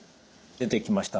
出てきました